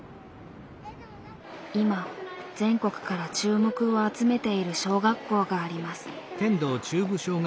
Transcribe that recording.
今全国から注目を集めている小学校があります。